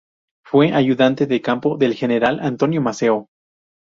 Fue ayudante de campo del general Antonio Maceo.